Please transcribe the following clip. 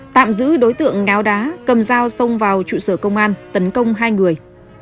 tạm giữ đối tượng ngáo đá cầm dao xông vào trụ sở công an tấn công hai người